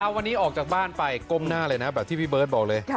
วันนี้ออกจากบ้านไปก้มหน้าเลยนะแบบที่พี่เบิร์ตบอกเลย